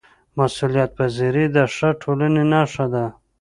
مسؤلیتپذیري د ښه ټولنې نښه ده